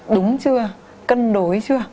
đúng chưa cân đối chưa